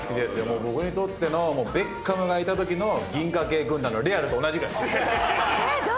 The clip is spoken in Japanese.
僕にとってのベッカムがいたときの銀河系軍団のレアルと同じぐらい。